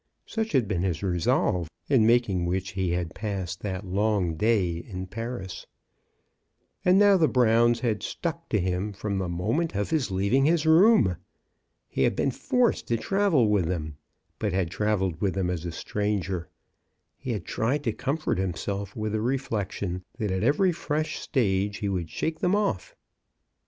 Such had been his resolve, in making which he had MRS. BROWN AT THOMPSON HALL. 73 passed that long day in Paris. And now the Browns had stuck to him from the moment of his leaving his room!' He had been forced to travel with them, but had travelled with them as a stranger. He had tried to comfort him self with the reflection that at every fresh stage he would shake them off.